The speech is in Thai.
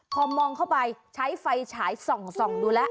พอมองเข้าไปใช้ไฟฉายส่องดูแล้ว